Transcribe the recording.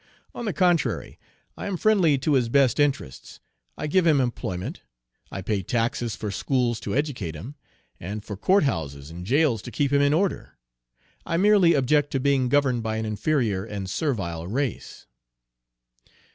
"On the contrary, I am friendly to his best interests. I give him employment; I pay taxes for schools to educate him, and for court houses and jails to keep him in order. I merely object to being governed by an inferior and servile race."